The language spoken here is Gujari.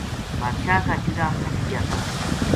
بادشاہ کا چیڑا پھٹ گیا تھا